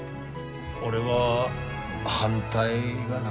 俺は反対がな。